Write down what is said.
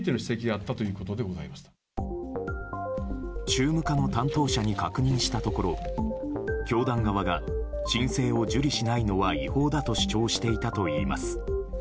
宗務課の担当者に確認したところ教団側が申請を受理しないのは違法だと主張していたといいます。